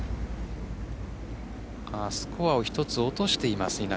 スコアを１つ落としています。